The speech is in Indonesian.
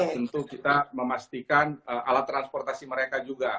tentu kita memastikan alat transportasi mereka juga